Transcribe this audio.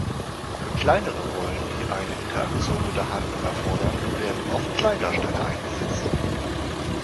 Für kleinere Rollen, die eine Interaktion mit der Handlung erfordern, werden oft Kleindarsteller eingesetzt.